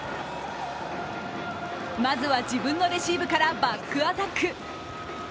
まずは、自分のレシーブからバックアタック。